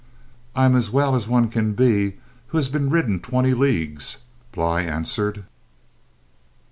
"I am as well as one can be who has been ridden twenty leagues," Bly answered.